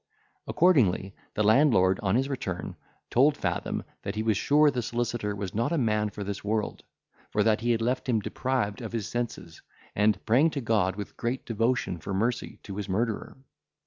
Accordingly the landlord, on his return, told Fathom that he was sure the solicitor was not a man for this world; for that he had left him deprived of his senses, and praying to God with great devotion for mercy to his murderer.